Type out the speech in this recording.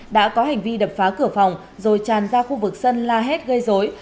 đã có hành vi đập phá cửa phòng rồi tràn ra khu vực sân la hét gây dối